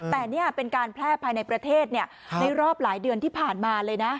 แต่นี่เป็นการแพร่ภายในประเทศในรอบหลายเดือนที่ผ่านมาเลยนะ